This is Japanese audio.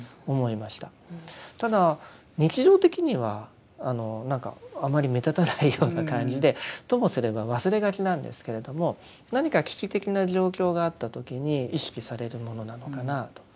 ただ日常的にはあまり目立たないような感じでともすれば忘れがちなんですけれども何か危機的な状況があった時に意識されるものなのかなと。